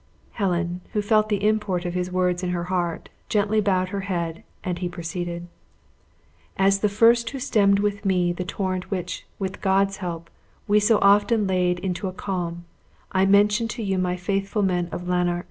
Helen, who felt the import of his words in her heart, gently bowed her head, and he proceeded: "As the first who stemmed with me the torrent which, with God's help, we so often laid into a calm, I mention to you my faithful men of Lanark.